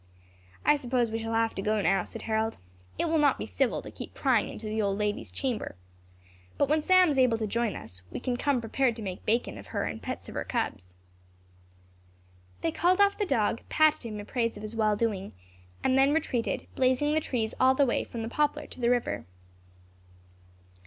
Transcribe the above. "I suppose we shall have to go now," said Harold; "it will not be civil to keep prying into the old lady's chamber. But when Sam is able to join us, we can come prepared to make bacon of her and pets of her cubs." They called off the dog, patted him in praise of his well doing, and then retreated, blazing the trees all the way from the poplar to the river.